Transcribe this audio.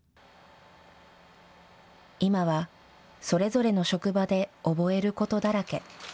今はそれぞれの職場で覚えることだらけ。